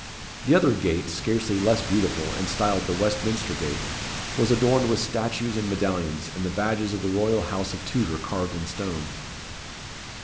The other gate, scarcely less beautiful, and styled the Westminster Gate, was adorned with statues and medallions, and the badges of the royal house of Tudor carved in stone.